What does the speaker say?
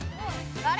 あれ？